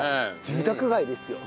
住宅街ですよ。